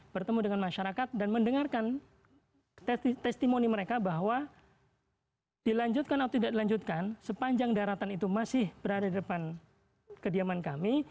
bertemu dengan masyarakat dan mendengarkan testimoni mereka bahwa dilanjutkan atau tidak dilanjutkan sepanjang daratan itu masih berada di depan kediaman kami